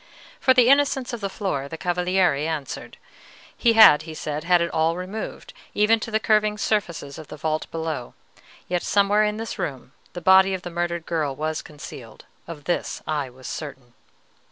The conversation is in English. For the innocence of the floor the Cavaliere answered. He had, he said, had it all removed, even to the curving surfaces of the vault below; yet somewhere in this room the body of the murdered girl was concealed, of this I was certain.